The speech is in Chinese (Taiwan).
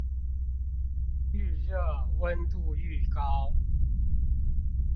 愈熱溫度愈高